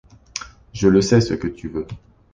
Je le sais, ce que tu veux.